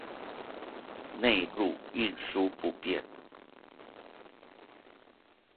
內陸運輸不便